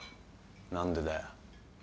何でだよ？